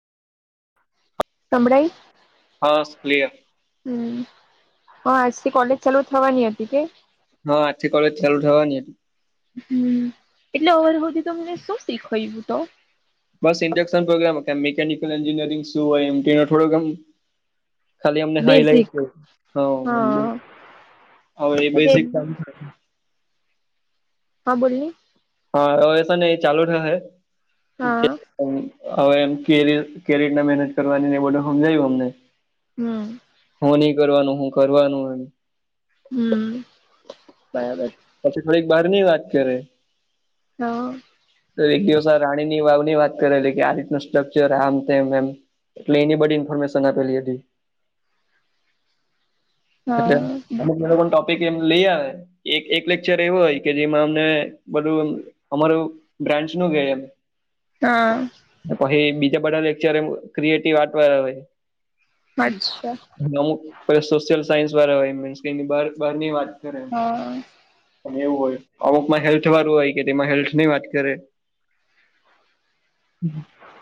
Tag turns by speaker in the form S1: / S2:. S1: સંભળાઈ.
S2: હા સ ક્લિયર.
S1: હમ્મ હ આજથી કોલેજ ચાલુ થવાની હતી કે.
S2: હા આજથી કોલેજ ચાલુ થવાની હતી.
S1: હમ્મ એટલે ઓવર હુંથી તો મને શું શીખવા્યું તો.
S2: બસ ઇડક્સન પ્રોગ્રામ મીકેનિકલ એન્જિનયિંગ શું હોય એમ કે થોડોક એમ. ખાલી અમને
S1: બેઝિક
S2: હાઈલાઈટ
S1: હા
S2: [unintelligible] હવે એ બેસિક [unintelligible]
S1: હા બોલને.
S2: હા હવે સે ને એ ચાલુ થહે.
S1: હા
S2: [unintelligible] અમ હવે, એમ કે, કે રીતના મહેનત કરવાની ને બધુ સમજાયું અમને.
S1: હમ.
S2: હું નહી કરવાનું, હું કરવાનું એમ.
S1: હમ. બરાબર.
S2: પછી થોડીક બહારની વાત કરે.
S1: હા.
S2: તો એક દિવસ આ રાણીની વાવની વાત કરેલી કે, આ રીતનું સ્ટ્રકચર આમ તેમ એમ. એટલે એની બડી ઇન્ફોર્મેન આપેલી હતી. એટલે
S1: હા
S2: અમુક તે લોકોન ટોપિક એમ લઈ આવે. એક એક લેક્ચર એવું હોય કે, જેમાં અમને બધું અમારું બ્રાન્ચનું ગે એમ.
S1: હા.
S2: પહી બીજા બધા લેક્ચર એમ ક્રિએટિવ આટવા આવે.
S1: અચ્છા
S2: અમુક પ સોશિયલ સાયન્સવાળા હોય, મીન્સ કે એની બાર બહારની વાત કરે.
S1: હા
S2: અને એવું હોય, અમુકમાં હેલ્થવાળું હોય કે, તેમાં હેલ્થની વાત કરે. [unintelligible]